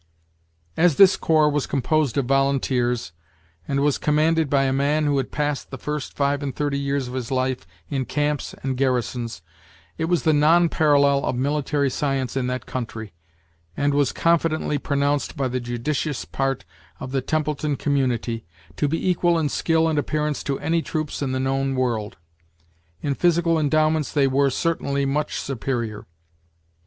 As this corps was composed of volunteers, and was commanded by a man who had passed the first five and thirty years of his life in camps and garrisons, it was the non parallel of military science in that country, and was confidently pronounced by the judicious part of the Templeton community, to be equal in skill and appearance to any troops in the known world; in physical endowments they were, certainly, much superior!